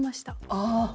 ああ。